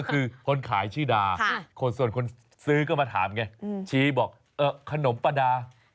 ก็คือคนขายชื่อดาค่ะคนส่วนคนซื้อก็มาถามไงอืมชีบอกเอ่อขนมปลาดา